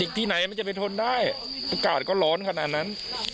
ที่ไหนมันจะไปทนได้อากาศก็ร้อนขนาดนั้น